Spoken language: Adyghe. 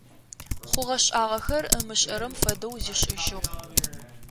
Хъугъэ-шӀагъэхэр ымышӀэрэм фэдэу зишӀыжьыгъ.